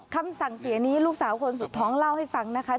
คำสั่งเสียนี้ลูกสาวคนสุดท้องเล่าให้ฟังนะคะ